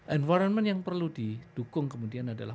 environment yang perlu didukung kemudian adalah